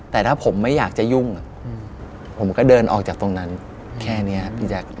แต่ถ้าผมไม่อยากจะยุ่งผมก็เดินออกจากตรงนั้นแค่นี้พี่แจ๊ค